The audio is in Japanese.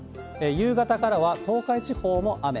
夕方からは東海地方も雨。